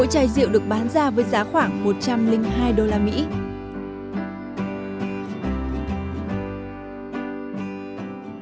mỗi chai rượu được bán ra với giá khoảng một trăm linh hai đô la mỹ